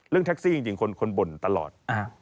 เรื่องทักซี่จริงคนบ่นตลอด